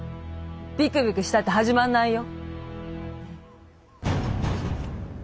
びくびくしたって始まんないよ。